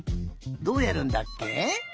どうやるんだっけ？